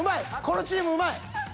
このチームうまい。